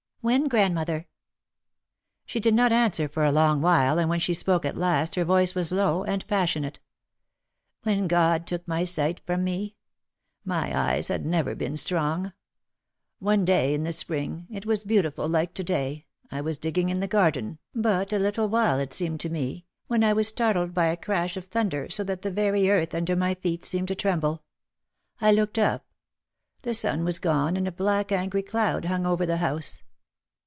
"When, grandmother?" She did not answer for a long while and when she spoke at last her voice was low and passionate. "When God took my sight from me. My eyes had never been strong. One day in the Spring, it was beau tiful like to day, I was digging in the garden, but a little while it seemed to me, when I was startled by a crash of thunder so that the very earth under my feet seemed to tremble. I looked up. The sun was gone and a black angry cloud hung over our house.